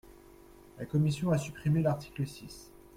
La commission a supprimé l’article six.